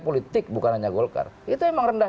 politik bukan hanya golkar itu emang rendah